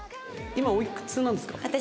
今おいくつなんですか？